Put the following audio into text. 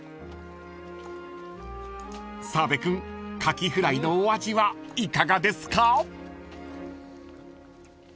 ［澤部君カキフライのお味はいかがですか？］